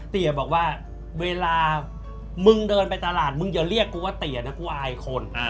เตี๋ยบอกว่าเวลามึงเดินไปตลาดมึงอย่าเรียกกูว่าเตี๋ยนะกูอายคน